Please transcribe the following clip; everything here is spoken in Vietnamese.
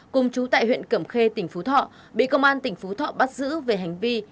cùng chú tại huyện cẩm khê tỉnh phú thọ bị công an tỉnh phú thọ bắt giữ về hành vi